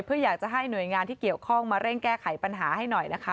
เพื่ออยากจะให้หน่วยงานที่เกี่ยวข้องมาเร่งแก้ไขปัญหาให้หน่อยนะคะ